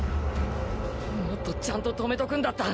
もっとちゃんと止めとくんだった。